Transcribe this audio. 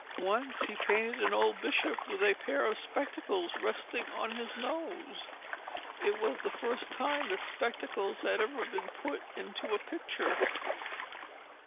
Once he painted an old bishop with a pair of spectacles resting on his nose. It was the first time that spectacles had ever been put into a picture.